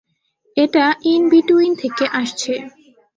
এটা in between থেকে আসছে।